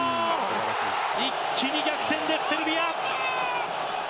一気に逆転です、セルビア。